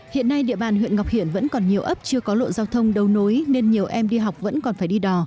hiện nay địa bàn huyện ngọc hiển vẫn còn nhiều ấp chưa có lộ giao thông đầu nối nên nhiều em đi học vẫn còn phải đi đò